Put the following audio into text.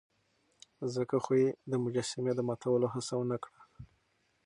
ځکه خو يې د مجسمې د ماتولو هڅه ونه کړه.